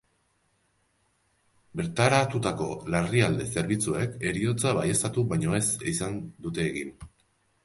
Bertaratutako larrialdi zerbitzuek heriotza baieztatu baino ezin izan dute egin.